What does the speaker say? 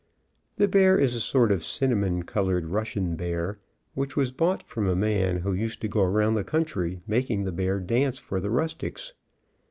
The bear is a sort of cinnamon colored Russian bear, which was bought from a man who used to go around the country mak ing the bear dance for the rustics.